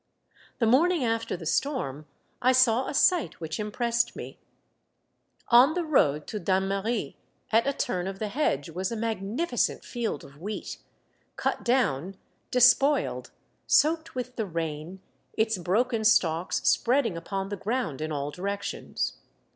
The morning after the storm I saw a sight which impressed me. On the road to Dannemarie at a turn of the hedge was a magnificent field of wheat, cut down, despoiled, soaked with the rain, its broken stalks spreading upon the ground in all directions.